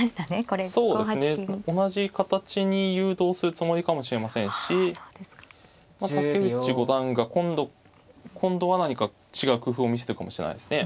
同じ形に誘導するつもりかもしれませんし竹内五段が今度は何か違う工夫を見せるかもしれないですね。